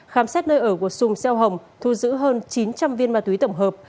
khám xét nơi ở của sùng xeo hồng thu giữ hơn chín trăm linh viên ma túy tổng hợp